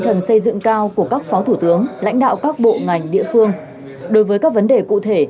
cần xây dựng cao của các phó thủ tướng lãnh đạo các bộ ngành địa phương đối với các vấn đề cụ thể